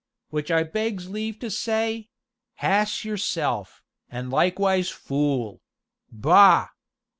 Which I begs leave to say hass yourself, an' likewise fool bah!"